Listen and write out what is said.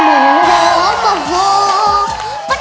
โมโฮโมโฮโมโฮ